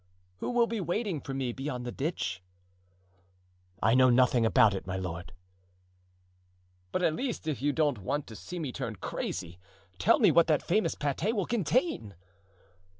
"Who will be waiting for me beyond the ditch?" "I know nothing about it, my lord." "But at least, if you don't want to see me turn crazy, tell what that famous pate will contain."